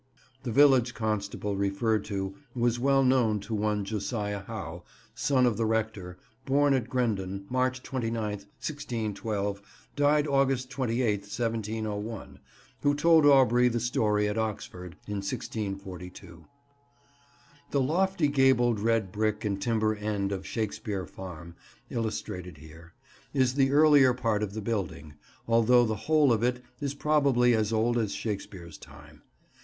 The village constable referred to was well known to one Josias Howe, son of the rector, born at Grendon, March 29th, 1612, died August 28th, 1701, who told Aubrey the story at Oxford, in 1642. The lofty gabled red brick and timber end of Shakespeare Farm, illustrated here, is the earlier part of the building, although the whole of it is probably as old as Shakespeare's time.